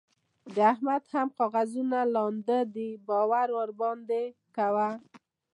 د احمد هم کاغذونه لانده دي؛ باور مه ورباندې کوه.